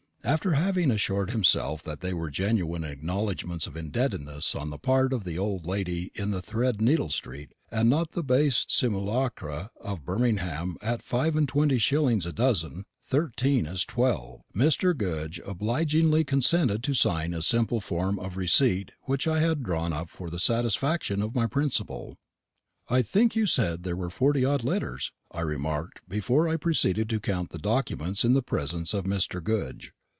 After having assured himself that they were genuine acknowledgments of indebtedness on the part of the old lady in Thread needle street, and not the base simulacra of Birmingham at five and twenty shillings a dozen thirteen as twelve Mr. Goodge obligingly consented to sign a simple form of receipt which I had drawn up for the satisfaction of my principal. "I think you said there were forty odd letters," I remarked, before I proceeded to count the documents in the presence of Mr. Goodge.